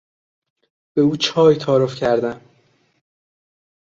به او چای تعارف کردم.